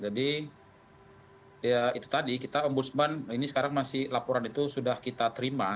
jadi ya itu tadi kita ombudsman ini sekarang masih laporan itu sudah kita terima